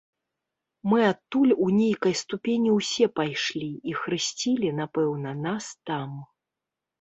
Мы адтуль у нейкай ступені ўсе пайшлі і хрысцілі, напэўна, нас там.